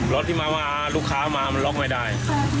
รถที่มาว่าลูกค้ามามันล็อกไม่ได้